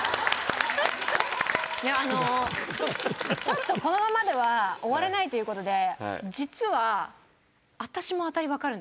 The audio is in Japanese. あのちょっとこのままでは終われないという事で実は。